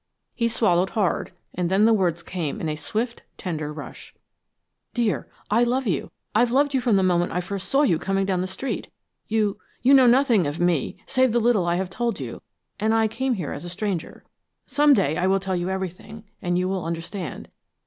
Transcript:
He swallowed hard, and then the words came in a swift, tender rush. "Dear, I love you! I've loved you from the moment I first saw you coming down the street! You you know nothing of me, save the little I have told you, and I came here a stranger. Some day I will tell you everything, and you will understand.